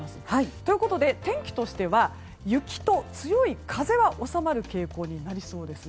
ということで、天気としては雪と強い風は収まる傾向になりそうです。